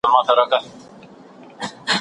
اقتصادي تړاو شخړې نرموي.